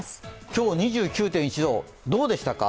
今日２９．１度、どうでしたか。